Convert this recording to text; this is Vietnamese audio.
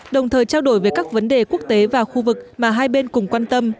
đồng thời trao đổi về các vấn đề quốc tế và khu vực mà hai bên cùng quan tâm